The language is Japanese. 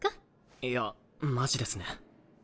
いやマジですね。